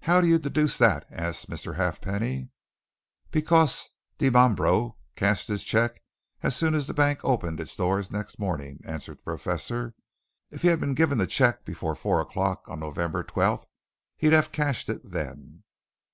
"How do you deduce that?" asked Mr. Halfpenny. "Because Dimambro cashed his cheque as soon as the bank opened its doors next morning," answered the Professor. "If he'd been given the cheque before four o'clock on November 12th, he'd have cashed it then."